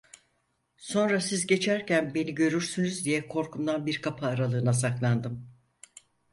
Sonra siz geçerken, beni görürsünüz diye korkumdan bir kapı aralığına saklandım.